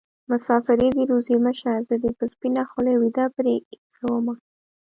مسافري دې روزي مه شه زه دې په سپينه خولې ويده پرې ايښې ومه